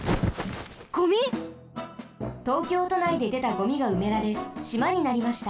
ゴミ？東京都内ででたゴミがうめられしまになりました。